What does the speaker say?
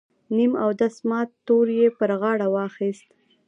نیم اودس مات تور یې پر غاړه واخیست.